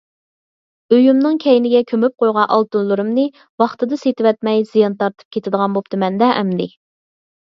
ئۆيۈمنىڭ كەينىگە كۆمۈپ قويغان ئالتۇنلىرىمنى ۋاقتىدا سېتىۋەتمەي زىيان تارتىپ كېتىدىغان بوپتىمەن-دە ئەمدى!